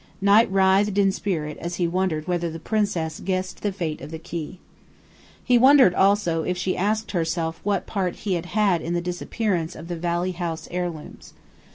Knight writhed in spirit as he wondered whether the princess guessed the fate of the key. He wondered also if she asked herself what part he had had in the disappearance of the Valley House heirlooms.